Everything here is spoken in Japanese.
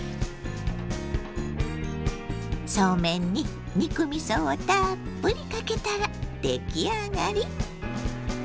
そうめんに肉みそをたっぷりかけたら出来上がり！